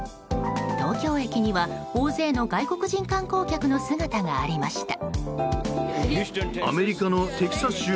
東京駅には大勢の外国人観光客の姿がありました。